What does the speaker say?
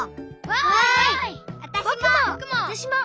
わたしも！